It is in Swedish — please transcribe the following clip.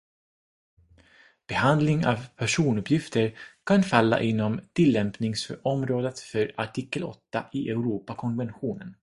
Behandling av personuppgifter kan falla inom tillämpningsområdet för artikel åtta i Europakonventionen.